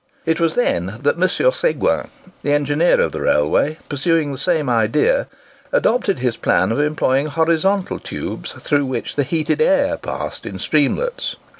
It was then that M. Seguin, the engineer of the railway, pursuing the same idea, adopted his plan of employing horizontal tubes through which the heated air passed in streamlets.